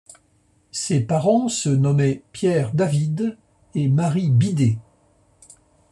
Ses parents se nommaient Pierre David et Marie Bidet.